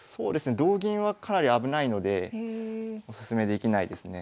同銀はかなり危ないのでおすすめできないですね。